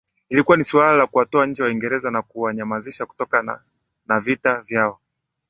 Ilikuwa ni suala na kuwatoa nje Waingereza na kuwanyamanzisha kutokana na vita vyao